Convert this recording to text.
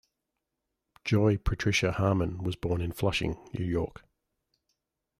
Joy Patricia Harmon was born in Flushing, New York.